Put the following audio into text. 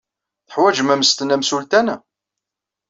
Teḥwajem ammesten amsultan?